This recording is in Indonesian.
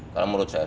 kalau menurut saya